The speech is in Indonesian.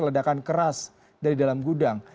ledakan keras dari dalam gudang